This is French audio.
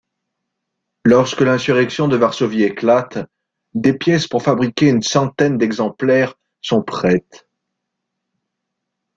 Lorsque l'insurrection de Varsovie éclate, des pièces pour fabriquer une centaine d'exemplaires sont prêtes.